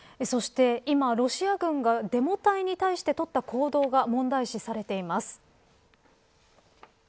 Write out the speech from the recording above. そして今、ロシア軍がデモ隊に対して取った行動が問題視されています。